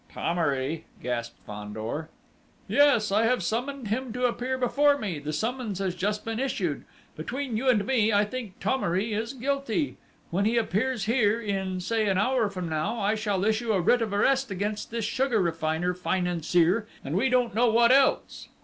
"Thomery!" gasped Fandor. "Yes. I have summoned him to appear before me the summons has just been issued. Between you and me, I think Thomery is guilty. When he appears here, in, say an hour from now, I shall issue a writ of arrest against this sugar refiner financier, and we don't know what else!"